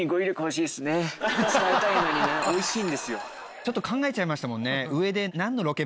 ちょっと考えちゃいましたもんね。